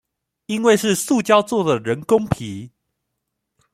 因為是塑膠的人工皮